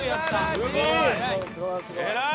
すごい！